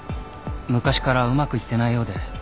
昔からうまくいってないようで。